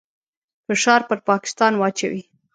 فشار پر پاکستان واچوي.